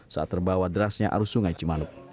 saat terbawa derasnya arus sungai cimanuk